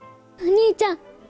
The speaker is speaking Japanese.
お兄ちゃん。